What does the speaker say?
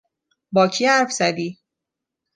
با کی حرف زدی؟